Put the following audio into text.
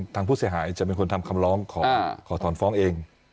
ทางผู้เสียหายจะเป็นคนทำคำร้องขอถอนฟ้องเอง